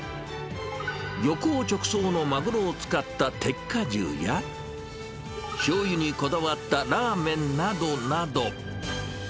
漁港直送のマグロを使った鉄火重や、しょうゆにこだわったラーメンなどなど。